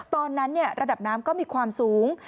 ตอนนั้นระดับน้ำก็มีความสูง